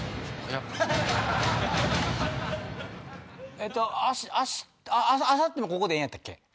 えっとあしあしあさってもここでええんやったっけ？